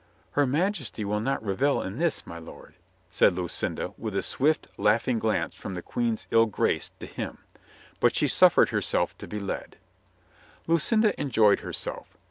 "Her Majesty will not revel in this, my lord," said Lucinda, with a swift, laughing glance from the Queen's ill grace to him. But she suffered her self to be led. Lucinda enjoyed herself.